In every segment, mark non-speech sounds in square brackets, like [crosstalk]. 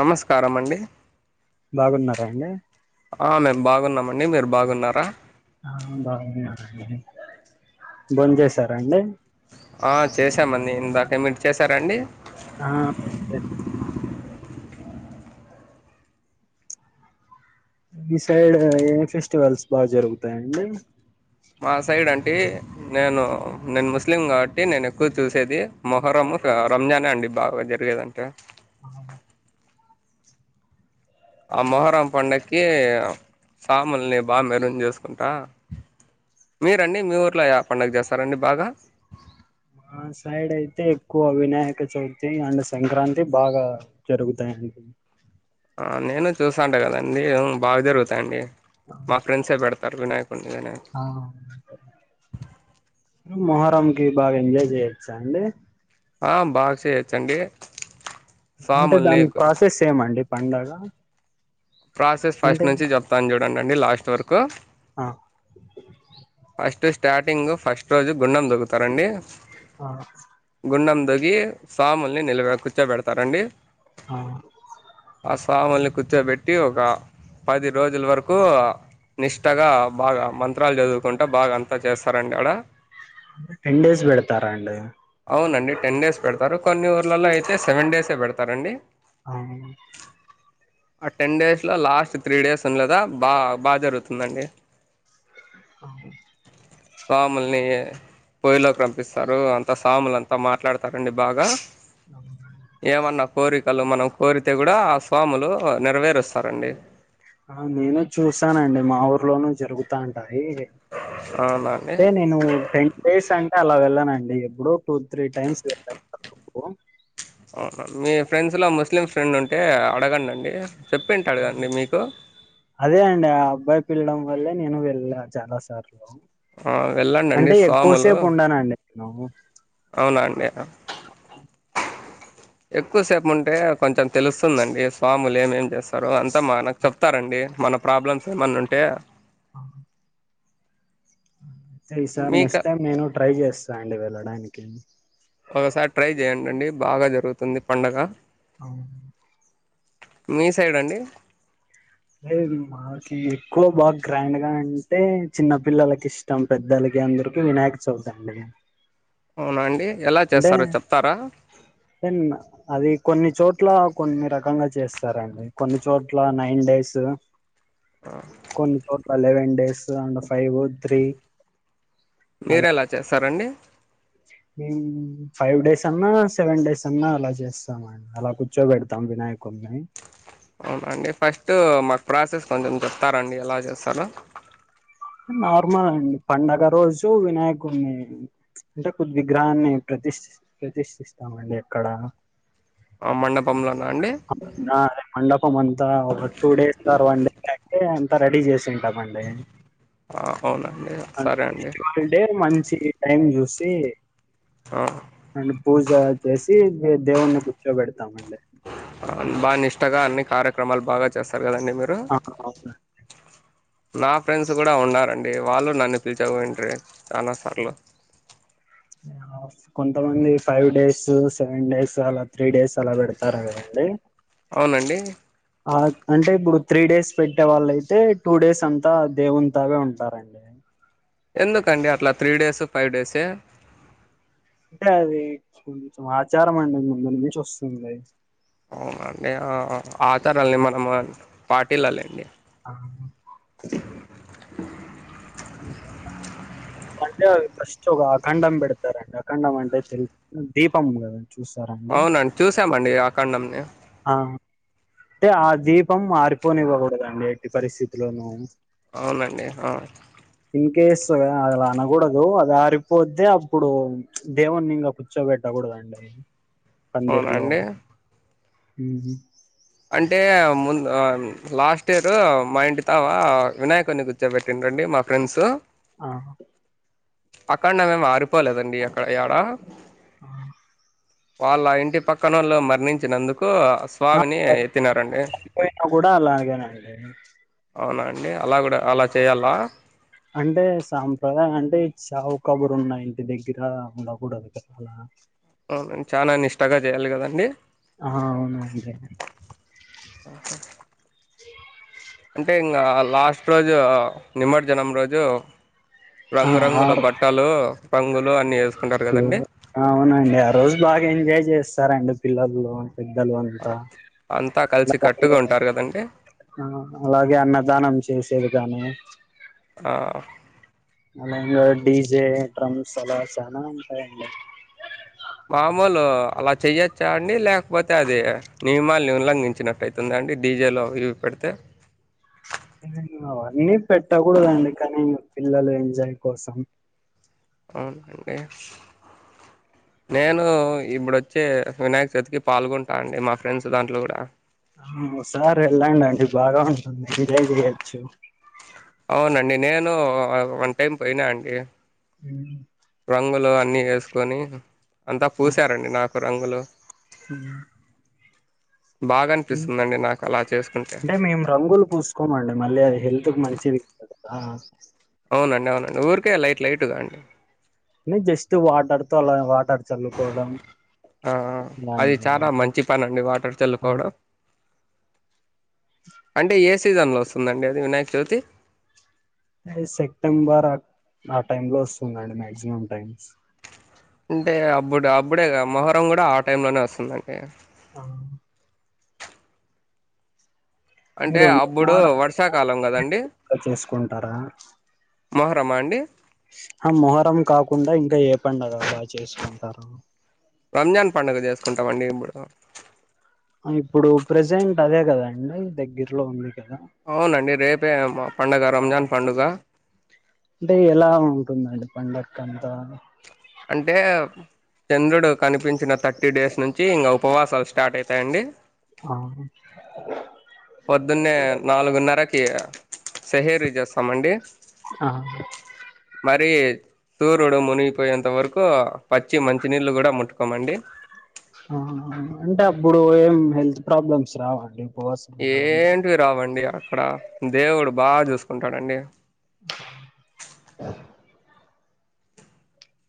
నమస్కారమండి. బాగున్నారాండి. !? ఆ మేం బాగున్నామండి. మీరు బాగున్నారా.? ఆ బాగున్నాండి. బోం జేశారండి.? ఆ చేశామండి ఇందాకే. మిర్ చేశారాండి.? ఆ బి సైడ్ ఏ ఫెస్టివల్స్ బాగా జరుగుతాయండి మా సైడ్ అంటే నేను నేను ముస్లిం గబట్టి నేను ఎక్కువ చూసేది మొహరం రంజానే అండి బాగా జరిగేదంటే ఆ [inaudible] ఆ మొహరం పండక్కి సాముల్ని బాగా మెరుగు జేసుకుంటా మీరండి మీ ఊర్లో ఏ పండుగ జేస్తారండి బాగా మా సైడ్ అయితే ఎక్కువ వినాయక చవితి అండ్ సంక్రాంతి బాగా జరుగుతాయండి [inaudible] నేను చూసాంటే కదండి బాగా జరుగుతాయండి మా ఫ్రెండ్సే పెడతారు వినాయకు ఆ మొహరం కి బాగా ఎంజాయ్ జేయొచ్చా అండి ఆ బాగా చెయొచ్చండి అంటే దాని ప్రాసెస్ ఏమండి పండుగ ప్రాసెస్ ఫస్ట్ నుంచి జేప్తాను చూడండి లాస్ట్ వరకు ఆ ఫస్ట్ స్టార్టింగ్ ఫస్ట్ రోజు గుండం దొగుతారండి ఆ గుండం తోగి సాముల్ని నిల కూర్చోబడతారండి ఆ ఆ సాముల్ని కూర్చోబెట్టి ఒక పది రోజుల వరకు నిష్టగా బాగా మంత్రాలు చదువు కుంటా బాగా అంతా చేస్తారండి ఆడ టెన్ డేస్ బెడతారా అండి అవునండి టెన్ డేస్ పెడతారు కొన్ని ఊర్లలో అయితే సెవెన్ డేసే పెడతారండి అ ఆ టెన్ డేస్లో లాస్ట్ త్రీ డేస్ ఉన్నదా బా బాగా జరుగుతుందండి ఓ సాముల్ని పోయిలోకి రంపిస్తారు అంతా సాములు అంతా మాట్లాడతారండి బాగా అవునా ఏమన్నా కోరికలు మనం కోరితే గూడా ఆ స్వాములు నెరవేరుస్తా ఆ నేను చూస్తానండి మా ఊర్లోనూ జరుగుతా ఉంటాయి అవునా అండి అంటే నేను టెన్ డేస్ అంటే అలా వెళ్ళానండి ఎప్పుడో టూ త్రీ టైమ్స్ అవునా మీ ఫ్రెండ్స్ ల ముస్లిం ఫ్రెండ్ ఉంటే అడగండండి చెప్పింటాడు కదండి మీకు అదే అండి ఆ అబ్బాయి పిల్వడం వల్లే నేను వెళ్ళా చాలా సార్ ఆ వెళ్ళండండి అంటే స్వాములు ఎక్కువసేపు ఉండనండి నేను అవునా అండి ఎక్కువసేపు ఉంటే కొంచెం తెలుస్తుందండి స్వాములు ఏమేం జేస్తారో అంతా మనకు చెప్తారండి మన ప్రాబ్లమ్స్ ఏమన్నా ఉంటే ఆ అయితే ఈ సారి మీకు నెక్స్ట్ టైమ్ నేను ట్రై జేస్తా అండి వెళ్ళడానికి ఒకసారి ట్రై జేయండండి బాగా జరుగుతుంది పండగ అవును మీ సైడ్ అండి అదే మాకి ఎక్కువ బాగా గ్రాండ్ గా అంటే చిన్న పిల్లలకి ఇష్టం పెద్దలకి అందరికి వినాయక చవితి అండి అవునండి ఎలా అంటే చేస్తారో చెప్తారా దెన్ అది కొన్ని చోట్ల కొన్ని రకంగా చేస్తారండి కొన్ని చోట్ల నైన్ డేస్ కొన్ని చోట్ల eleven days and five three మీరేలా చేస్తారండి హుమ్మ్ ఫైవ్ డేస్ అన్నా, సెవెన్ డేస్ అన్నా, అలా జేస్తమాండ్ అలా కూర్చోబెడతాం వినాయక్ కొన్నాయ్ అవునండి. ఫస్ట్ మాకు ప్రాసెస్ కొంచెం చెప్తారండి, ఎలా చేస్తారో. నార్మల్ అండి. పండగ రోజు వినాయకుడిని అంటే కొద్దీ విగ్రహన్ని ప్రత్ దీష్ ప్రతిష్ఠిస్తామండి. అక్కడా ఆవ్ మండపం నా మండపం అంతా ఒక్క టూ డేస్ తర్వాన్డ్ ఎందుకంటే ఇంకా రెడీ జేస్తుటామాండే ఆ అవునండి అంట్ సరే అండి నెక్స్ట్ హాల్ డే మంచి ఈ టైం జూసి ఓ అండ్ పూజ జేసి దే దేవుణ్ణి కూర్చోబెడతామండి. కొత్తగా అన్ని కార్యక్రమాలు బాగా చేసారు కదండి మీరు ఆ అవును నా ఫ్రెండ్స్ కూడా ఉన్నారండి. వాళ్ళు నన్ను పీల్చపోయింట్రీ చానా సార్లు కొంతమంది ఫైవ్ డేస్, సెవెన్ డేస్, అలా త్రీ డేస్ అలా పెడతారు కదండి. అవునండి. పాద్ అంటే ఇప్పుడు త్రీ డేస్ పెట్టే వాళ్ళైతే, టూ డేస్ అంతా దేవుంతావే ఉంటారండి. ఎందుకండి అట్లా త్రీ డేస్, ఫైవ్ డేసే. అంటే అది కొంచెం ఆచారం అండి ముందురి నుంచి వసుంది. అవునండి. ఆ ఆ ఆచారాల్ని మనమునన్ పటీలాలండి. అవును [inaudible] ఉ కైకో అంటే అది ఫస్ట్ ఒక అఖండం పెడతారండి. అఖండం అంటే తేల్ దీపం గాదన్ అవునండి, చూసామండి ఆఖండంని ఆహా టే ఆ దీపం ఆరిపోనివ్వకూడదండి ఎట్టి పరిస్థితులోనూ అవునండి హా ఇన్ కేస్ అలా అనకూడదు. అది ఆరిపోతే అప్పుడు దేవున్ని ఇంగా కూర్చోబెట్టా గో కొలండైనా అవునా అండి. హుహూ ముందు లాస్ట్ ఇయర్ మా ఇంటి తావా వినాయకుని కూర్చోపెట్టిర్రాండి మా ఫ్రెండ్స్ ఆహా అఖండమేమి ఆరిపోలేదండి అక్కడ ఎడా వాళ్ళ ఇంటి పక్కనోళ్లు మరణించినందుక్ కో స్వామిని ఎత్తినారండి. చనిపోయినా కూడా అలాగేనండి అవునండి. అలా కూడా అలా చేయాలా అంటే సాంప్రదాయం అంటే, చావు కబురు ఉన్న ఇంటి దగ్గర ఉండకూడదు. కదా అలా అవునన్ చానా నిష్టగా జేయాలి కదండి. ఆ అవునా అంతే అంటే ఇంగా లాస్ట్ రోజు, నిమర్జనం రోజు ఆ రంగురంగుల ఆరు బట్టలు, రంగులు అన్ని ఏసుకుంటారు కదండి. అవునండి ఆ రోజు బాగా ఎంజాయ్ జేస్తారండి పిల్లల్లో పెద్దలు అంతా అంతా కలిసి కట్టుగా [inaudible] ఉంటారు కదండి హా అలాగే అన్నదానం చేసే విధానము ఆహ్ మళ్ళా ఇంగో డీజే డ్రమ్స్ అలా చానా ఉంటాయండి. మామూలు అలా చేయొచ్చా అండి. లేకపోతే అది నియమాల్ని ఉల్లంగిచ్చినాటైతుందా అంటే డీజెలు అవి జూపెడితే. ఇహివో అవన్నీ పెట్టకూడదండి. కానీ పిల్లలు ఎంజాయ్ కోసం అవునండే నేను ఇప్పుడు వచ్చే వినాయక చవితికి పాల్గొంటా అండి మా ఫ్రెండ్స్ దాంట్లో కూడా ఓసారి వెళ్ళడండి బాగా ఉంటుంది ఎంజాయ్ చేయొచ్చు. అవునండి నేను వన్ టైం పోయినా అండి. హ్మ్ రంగులు అన్ని వేసుకొని అంతా పూసారండి నాకు రంగులు. హ్మ్ బాగా అనిపిస్తుందండి నాకు అలా చేసుకుంటే. అంటే మేము రంగులు పూసుకోమండి మళ్ళీ అది హెల్త్ కి మంచిది దు. ఆ అవునండి అవును ఊరికే లైట్ లైట్గా అండి. న జస్ట్ వాటర్ తో అలా వాటర్ చల్లుకోవడం. ఆ అది చాలా ఇలాంటివి మంచి పని అండి వాటర్ ఆ చల్లుకోవడం. అంటే ఏ సీజన్లో వస్తుందండి అది వినాయక చవితి. అ సెప్టెంబర్ ఆ టైమ్ లో వస్తుందండి మ్యాక్సిమం టైమ్స్. అంటే అప్పుడు అప్పుడేగా మొహరం కూడా ఆ టైం లోనే వస్తుందండి ఆ అంటే మీరు అప్పుడు వర్షాకాలం కదండి. చేసుకుంటారా మొహరమా అండి. ఆ మొహరం కాకుండా ఇంకా ఏ పండగ బా చేసుకుంటారు. రంజాన్ పండుగ చేసుకుంటామండి ఇప్పుడు. ఇప్పుడు ప్రజెంట్ అదే కదండి దగ్గరలో ఉంది. కదా అవునండి రేపే పండగ రంజాన్ పండుగ. అంటే ఎలా ఉంటుందండి పండంకంతా. అంటే చంద్రుడు కనిపించిన థర్టీ డేస్ నుంచి ఇంకా ఉపవాసాలు స్టార్ట్ అయితాయండి. అవును పొద్దున్నే నాలుగున్నరకి సహేరీ చేస్తామండి. అహ మరి సూర్యుడు మునిగిపోయేంత వరకు పచ్చి మంచినీళ్ళు కూడా ముట్టుకోమండి. అంటే అప్పుడు ఏం హెల్త్ ప్రాబ్లమ్స్ రావా అండీ. ఏంటివి రావండి అక్కడ దేవుడు బాగా చూసుకుంటాడండి.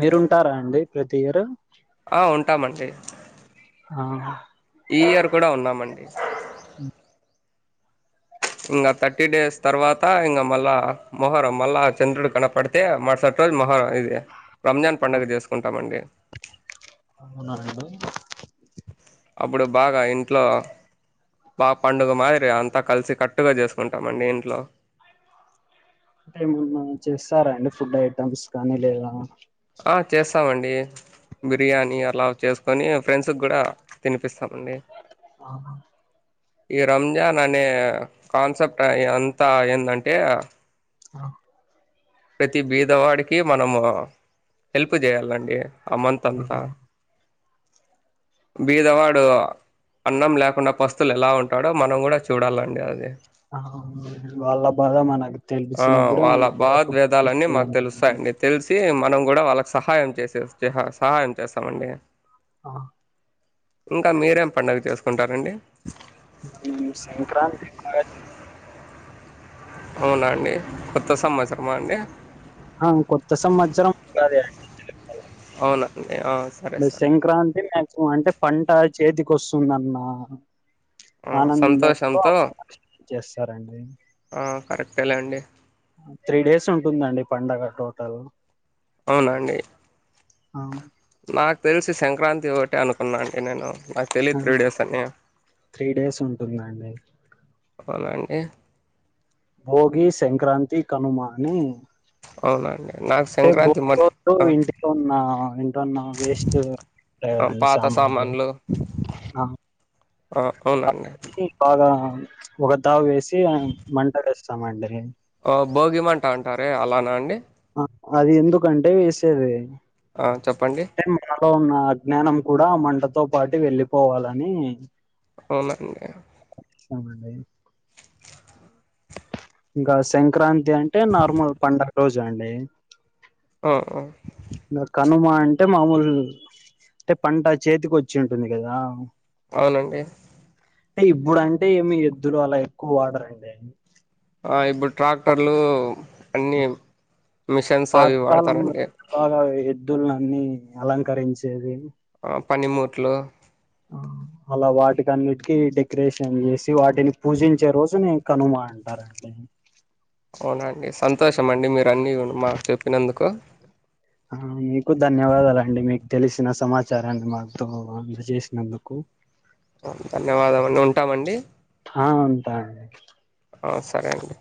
మీరుంటారా అండి ప్రతి ఇయర్. ఆ ఉంటామండి. ఆ ఈ ఇయర్ కూడా ఉన్నామండి. ఇంకా థర్టీ డేస్ తర్వాత ఇంకా మళ్ళా మొహరం మళ్ళా చంద్రుడు కనపడితే మరుసట్. రోజు మహా ఇది రంజాన్ పండుగ చేసుకుంటామండి. అవునాండి అప్పుడు బాగా ఇంట్లో బా పండుగ మాదిరి అంతా కలిసి కట్టుగా చేసుకుంటామండి ఇంట్లో. అంటే ఏమన్నా చేస్తారా అండి ఫుడ్ ఐటమ్స్ కానీ లేదా ఆ చేస్తామండి బిర్యానీ అలా చేన స్ కొన్నీ ఫ్రెండ్స్ కి కూడా తినిపిస్తాం. ఆ ఈ రంజాన్ అనే కాన్సెప్ట్ అంతా ఏందంటే. ఆ ప్రతి బీదవాడికి మనము హెల్ప్ చేయాలండి. ఆ మంతంతా ఆ బీదవాడు అన్నం లేకుండా పస్తులు ఎలా ఉంటాడో మనం కూడా చూడాలండి అది. వాళ్ళ బాధ మనకు ఆ తెలిపించినప్పుడ మనను కద నే తెలిసి మనం కూడా వాళ్ళకి సహాయం చేసే సేసాహ సహాయం చేస్తామండి ఆ ఇంకా మీరేం పండగ చేసుకుంటారండి మ్మ్ సంక్రాంతి [unintelligible] అవునా అండి కొత్త సంవత్సరమా అండి అవును కొత్త సంమత్సరం అవునండి ఆ సరే సరే అండి ఉ అంటే పంట చేతికి వస్తుందన్న ఆ ఆనందంలో సంతోషంతో [unintelligible] చేస్తారండి అంతే లేండి త్రీ డేస్ ఉంటుందండి పండగ టోటల్ అవునా అండి అ నాకు తెలిసి సంక్రాంతి ఒకటే అనుకున్నా అండి నేను నాక్ తెలిదు ఆ! త్రీ డేస్ అని త్రీ డేస్ ఉంటుందండి అవునా అండి భోగి సంక్రాంతి కనుమా అని అవునా అండి నాకు అంటే సంక్రాంతి బోగి రోజు మ ఇంటిలున్న ఇంటన్న వేస్ట్ ఆ పాత సామాన్లు ఆ ఆ అవునండి కాబట్టి బాగా ఒక తావు వేసి మంట వేస్తామండి ఓ, భోగిమంట అంటారే అలానా అండి ఆ అది ఎందుకంటే వేసేది ఆ చెప్పండి లో ఉన్న అజ్ఞానం కూడా మంటతో పాటు వెళ్ళిపోవాలని అవునా [unintelligible] సామండి ఇంకా సంక్రాంతి అంటే నార్మల్ పండగ రోజండి ఆ నా కనుమ అంటే మామూలు అంటే పంట చేతికి వచ్చి ఉంటుంది కదా అవునండి అంటే ఇబ్బుడంటే ఏమి ఎద్దులు అలా ఎక్కువ వాడరండి ఆ ఇప్పుడు ట్రాక్టర్లు అన్నీ మిషన్స్ అవి వాడతారండి వృద్ధులనన్ని అలంకరించేవి పనిమూట్లు ఆ, అలా వాటికన్నిటికీ డెకరేషన్ చేసి వాటిని పూజించే రోజు నే కనుమ అంటారండి అవునా అండి సంతోషం అండి మీరు అన్నీ మాకు చెప్పినందుకు ఆ మీకు ధన్యవాదాలండి మీకు తెలిసిన సమాచారాన్ని మాతో అందచేసినందుకు ఆ ధన్యవాదం ఉంటామండి ఆ ఉంతా ఆ సరే అండి